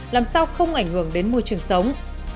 làm sao không ảnh hưởng đến môi trường sống